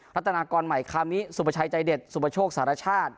รัฐนากรใหม่คามิสุประชัยใจเด็ดสุปโชคสารชาติ